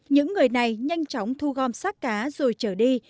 những người này nhanh chóng thu gom sát cá rồi trở đi